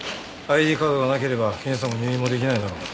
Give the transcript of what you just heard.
ＩＤカードがなければ検査も入院もできないだろう。